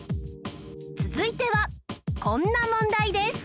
続いてはこんな問題です